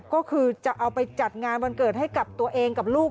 ก็คือจะเอาไปจัดงานวันเกิดให้กับตัวเองกับลูก